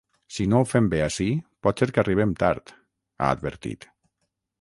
Si no ho fem bé ací pot ser que arribem tard, ha advertit.